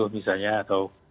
enam puluh misalnya atau